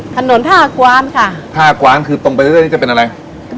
ถนนท่ากวานค่ะท่ากว้านคือตรงไปเรื่อยนี่จะเป็นอะไร